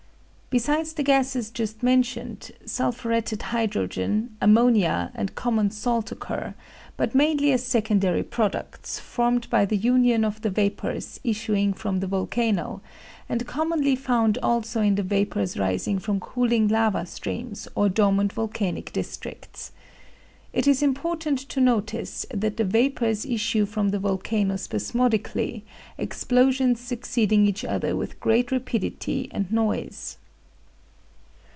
Besides the gases just mentioned, sulphuretted hydrogen, ammonia and common salt occur; but mainly as secondary products, formed by the union of the vapors issuing from the volcano, and commonly found also in the vapors rising from cooling lava streams or dormant volcanic districts. It is important to notice that the vapors issue from the volcano spasmodically, explosions succeeding each other with great rapidity and noise.